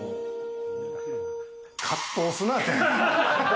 葛藤すなて。